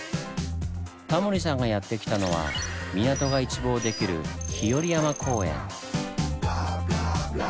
タモリさんがやって来たのは港が一望できる日和山公園。